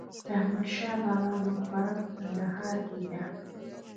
د احمد شاه بابا مقبره په کندهار کې ده